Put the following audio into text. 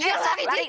eh lari lari